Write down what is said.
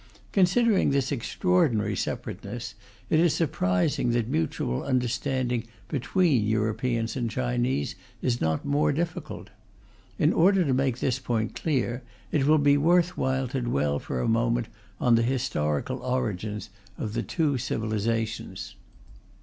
Considering this extraordinary separateness, it is surprising that mutual understanding between Europeans and Chinese is not more difficult. In order to make this point clear, it will be worth while to dwell for a moment on the historical origins of the two civilizations.